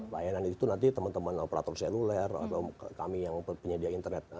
layanan itu nanti teman teman operator seluler atau kami yang penyedia internet